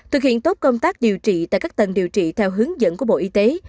thực hiện tốt công tác điều trị tại các tầng điều trị theo hướng dẫn của bộ y tế